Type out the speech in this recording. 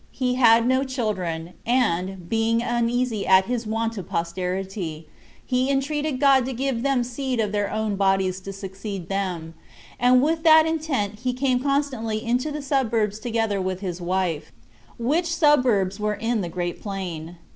He had no children; and, being uneasy at his want of posterity, he entreated God to give them seed of their own bodies to succeed them; and with that intent he came constantly into the suburbs 18 together with his wife; which suburbs were in the Great Plain.